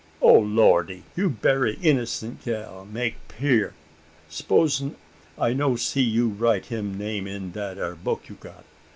"O Lordy! you berry innocent gal, make 'pear! S'pose I no see you write him name in dat ere book you got?